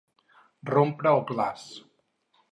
Rompre el glaç.